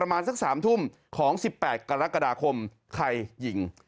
ประมาณสัก๓ทุ่มของ๑๘กรกฎาคมใครยิง